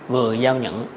vừa giao nhận